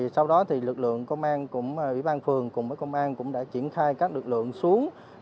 sau đó thì lực lượng công an ủy ban phường cùng với công an cũng đã triển khai các lực lượng xuống